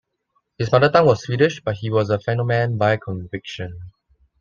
His mother tongue was Swedish, but he was a fennoman by conviction.